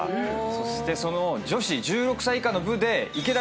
そして女子１６歳以下の部で。